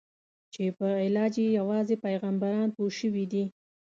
چې په علاج یې یوازې پیغمبران پوه شوي دي.